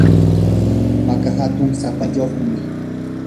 maka hatun sapiyuqmi.